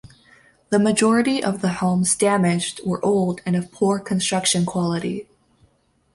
The majority of the homes damaged were old and of poor construction quality.